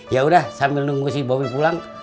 ya udah sambil nunggu si bowi pulang